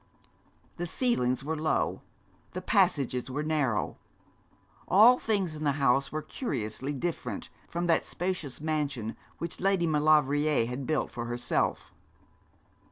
The ceilings were low, the passages were narrow. All things in the house were curiously different from that spacious mansion which Lady Maulevrier had built for herself.